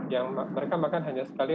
yang mereka makan hanya sekali